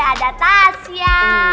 eh ada tasya